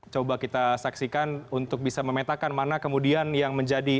coba kita saksikan untuk bisa memetakan mana kemudian yang menjadi